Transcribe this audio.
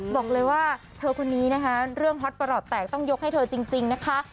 บอกเลยว่าเธอคนนี้นะคะเรื่องฮอตประหลอดแตกต้องยกให้เธอจริงนะคะ